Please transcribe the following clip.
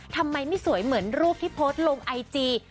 ทำไมไม่สวยเหมือนรูปที่โพสต์ลงไอจี